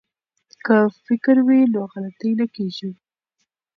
که فکر وي نو غلطي نه کیږي.